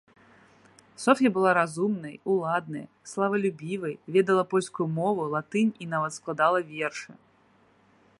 Соф'я была разумнай, уладнай, славалюбівай, ведала польскую мову, латынь і нават складала вершы.